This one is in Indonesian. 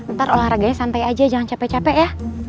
ntar olahraganya santai aja jangan capek capek ya